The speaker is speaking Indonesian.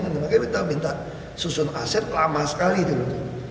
makanya kita minta susun aset lama sekali dulu